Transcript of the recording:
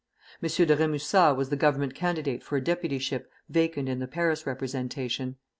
M. de Rémusat was the Government candidate for a deputyship vacant in the Paris representation.